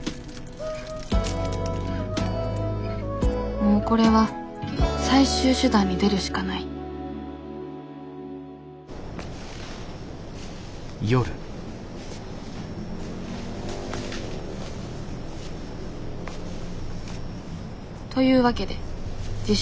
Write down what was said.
もうこれは最終手段に出るしかないというわけで自称